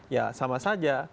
ya sama saja